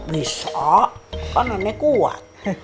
bisa kan nenek kuat